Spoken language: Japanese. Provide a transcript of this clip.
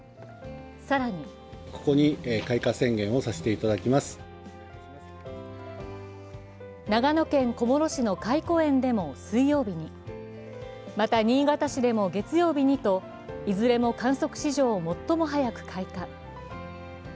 更に長野県小諸市の懐古園でも水曜日にまた、新潟市でも月曜日にと、いずれも観測史上最も早く開花。